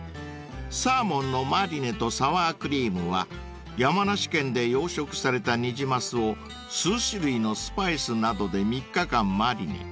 ［サーモンのマリネとサワークリームは山梨県で養殖されたニジマスを数種類のスパイスなどで３日間マリネ］